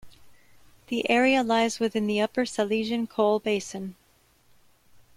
The area lies within the Upper Silesian Coal Basin.